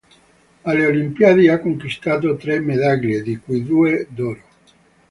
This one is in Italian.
Alle Olimpiadi ha conquistato tre medaglie, di cui due d'oro.